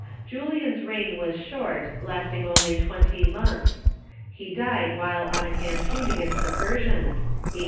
Julian's reign was short, lasting only twenty months. He died while on a campaign against the Persians (a.